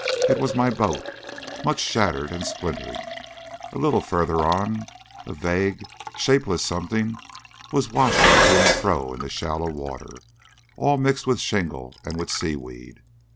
It was my boat, much shattered and splintered. A little further on, a vague, shapeless something was washing to and fro in the shallow water, all mixed with shingle and with seaweed.